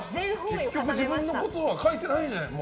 結局、自分のことは書いてないんじゃない？